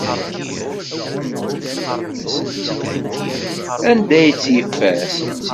Anda ay tt-yeffer?